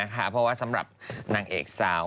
เพราะว่าสำหรับนางเอกสาว